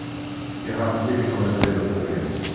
Wir haben hier genau dasselbe Problem.